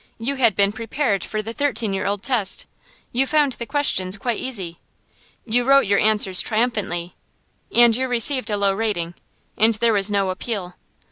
You had been prepared for the thirteen year old test; you found the questions quite easy. You wrote your answers triumphantly and you received a low rating, and there was no appeal.